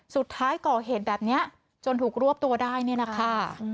สุดท้ายก่อเหตุแบบนี้จนถูกรวบตัวได้เนี่ยนะคะ